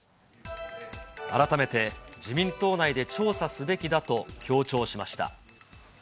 改めて、自民党内で調査すべきだと強調しました。